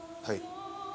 はい。